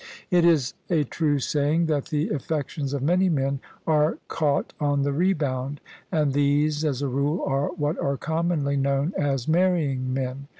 It is a true saying that the affections of many men are caught on the rebound ; and these as a rule are what are commonly known as " marrying men."